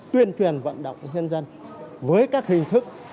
tuyên truyền vận động nhân dân với các hình thức